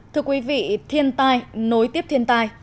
thưa quý vị thiên tai nối tiếp thiên tai